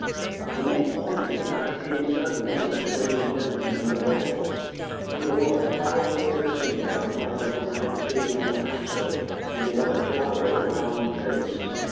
The next morning I came suddenly on a strange gentleman in the gallery. He wore a flowered dressing gown like the one I had seen on the master, and he had a jolly, round face.